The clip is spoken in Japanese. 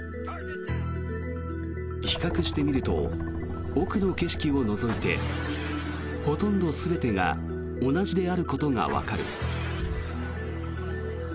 比較してみると奥の景色を除いてほとんど全てが同じであることがわかる。